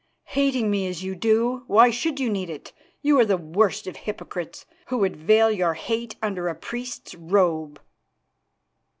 "Hating me as you do, why should you need it? You are the worst of hypocrites, who would veil your hate under a priest's robe."